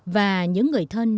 và những người thân